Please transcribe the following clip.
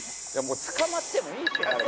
「捕まってもいいってあれ」